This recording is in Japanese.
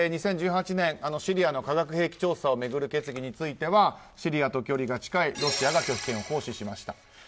２０１８年シリアの化学兵器調査を巡る決議についてはシリアと距離が近いロシアが拒否権を行使しました。